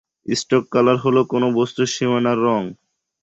Stroke colour হল কোন বস্তুর সীমানার রঙ।